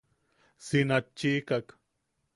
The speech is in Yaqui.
Si natchiʼikak.